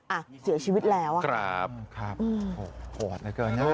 อ่ะเสียชีวิตแล้วครับครับโหดเหลือเกินนะครับค่ะ